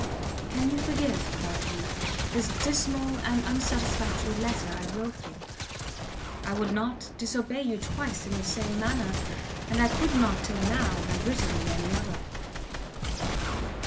"Can you forgive," cried he, "the dismal and unsatisfactory letter I wrote you? I would not disobey you twice in the same manner, and I could not till now have written in any other."